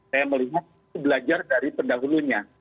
saya melihat itu belajar dari pendahulunya